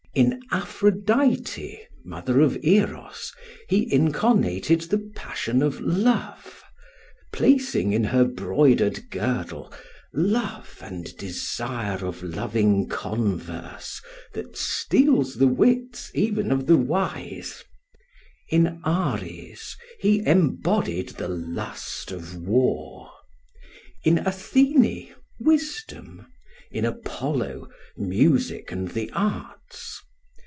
In Aphrodite, mother of Eros, he incarnated the passion of love, placing in her broidered girdle "love and desire of loving converse that steals the wits even of the wise"; in Ares he embodied the lust of war; in Athene, wisdom; in Apollo, music and the arts.